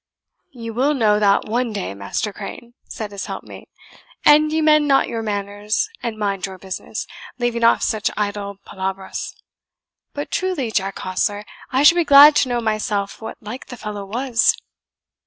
"You will know that one day, Master Crane," said his helpmate, "an ye mend not your manners, and mind your business, leaving off such idle palabras. But truly, Jack Hostler, I should be glad to know myself what like the fellow was."